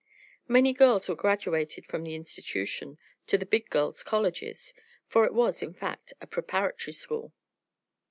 Many girls were graduated from the institution to the big girls' colleges, for it was, in fact, a preparatory school.